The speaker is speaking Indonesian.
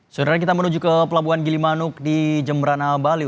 sebenarnya kita menuju ke pelabuhan gili manuk di jemberana bali